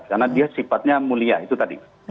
karena dia sifatnya mulia itu tadi